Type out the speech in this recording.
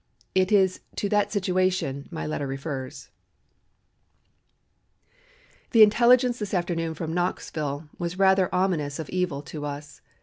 It is to that situation my letter refers: "The intelligence this afternoon from Knoxville was rather ominous of evil to us.